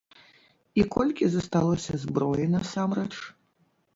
І колькі засталося зброі насамрэч?